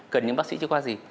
cần những bác sĩ chưa qua gì